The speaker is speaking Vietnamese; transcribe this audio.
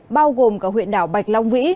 bao gồm cả huyện đảo bạch long vĩ